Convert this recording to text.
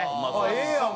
ええやん！